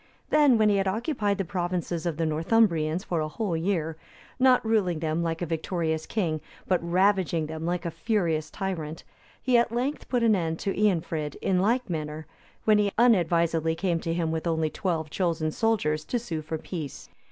Then, when he had occupied the provinces of the Northumbrians for a whole year,(287) not ruling them like a victorious king, but ravaging them like a furious tyrant, he at length put an end to Eanfrid, in like manner, when he unadvisedly came to him with only twelve chosen soldiers, to sue for peace.